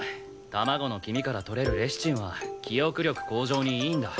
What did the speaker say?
卵の黄身から取れるレシチンは記憶力向上にいいんだ。